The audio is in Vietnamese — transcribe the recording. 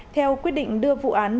theo quyết định đưa vụ án